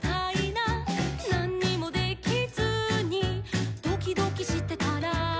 「なんにもできずにドキドキしてたら」